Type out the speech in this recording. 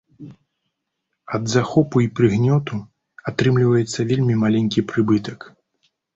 Ад захопу і прыгнёту атрымліваецца вельмі маленькі прыбытак.